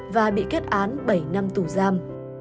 và bị kết án bảy năm tù giam